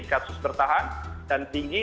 kasus bertahan dan tinggi